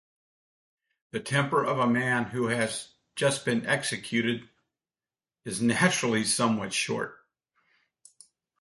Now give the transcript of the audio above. The temper of a man who has just been executed is naturally somewhat short.